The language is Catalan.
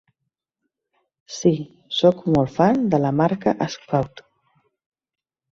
Sí, soc molt fan de la marca Scout.